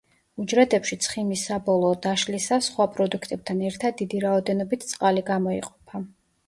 უჯრედებში ცხიმის საბოლოო დაშლისას სხვა პროდუქტებთან ერთად დიდი რაოდენობით წყალი გამოიყოფა.